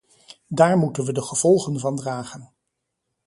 Daar moeten we de gevolgen van dragen.